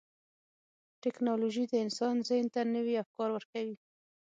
ټکنالوجي د انسان ذهن ته نوي افکار ورکوي.